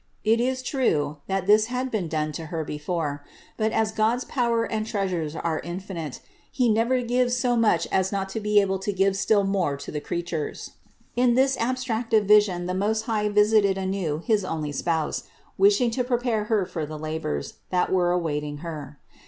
It is true, that this had been done to Her before ; but as God's power and treasures are infinite, He never gives so much as not to be able to give still more to the creatures. In this abstractive vision the Most High visited anew his only Spouse, wishing to prepare Her for the labors, that were awaiting Her.